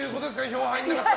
票が入らなかった。